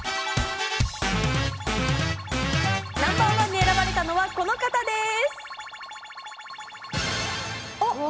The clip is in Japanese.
Ｎｏ．１に選ばれたのはこの方です。